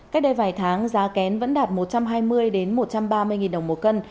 cách đây vài tháng giá kén vẫn đạt một trăm hai mươi một trăm ba mươi đồng một cân